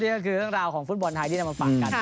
นี่ก็คือเรื่องราวของฟุตบอลไทยที่นำมาฝากกัน